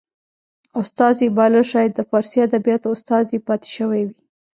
استاد یې باله شاید د فارسي ادبیاتو استاد یې پاته شوی و